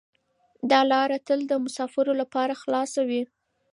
دا لاره تل د مسافرو لپاره خلاصه وي.